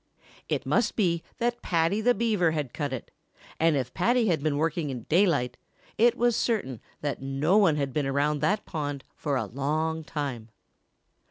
It must be that Paddy the Beaver had cut it, and if Paddy had been working in daylight, it was certain that no one had been around that pond for a long time.